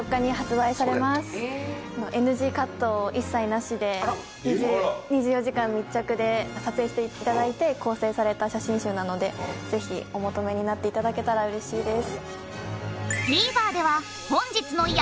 ＮＧカット一切なしで２４時間密着で撮影していただいて構成された写真集なのでぜひお求めになっていただけたらうれしいです。